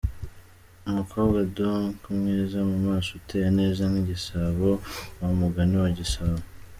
Umukobwa donc mwiza mu maso uteye neza nk’igisabo wa mugani wa Gisabo.